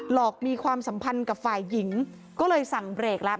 อกมีความสัมพันธ์กับฝ่ายหญิงก็เลยสั่งเบรกแล้ว